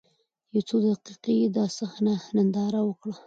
يو څو دقيقې يې دا صحنه ننداره وکړه.